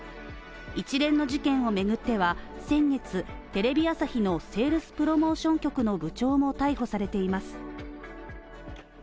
一連の事件を巡っては先月、テレビ朝日のセールスプロモーション局の部長も逮捕されています。